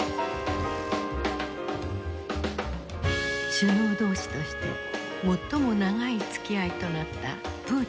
首脳同士として最も長いつきあいとなったプーチン大統領。